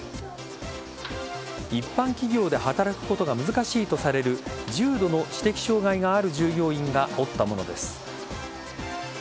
一般企業で働くことが難しいとされる重度の知的障害がある従業員が折ったものです。